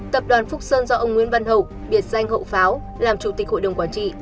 tập đoàn phúc sơn do ông nguyễn văn hậu biệt danh hậu pháo làm chủ tịch hội đồng quản trị